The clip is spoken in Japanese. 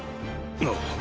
ああ。